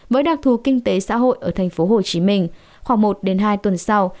với đặc thù kinh tế xã hội ở thành phố hồ chí minh khoảng một đến hai tuần sau